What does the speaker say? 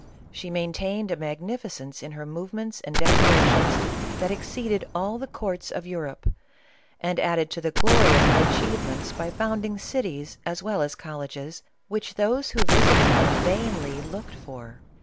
She maintained a mag nificence in her movements and decorations, that ex ceeded all the courts of Europe, and added to the glory of her achievements by founding cities as well as col leges, which those who visited her vainly looked for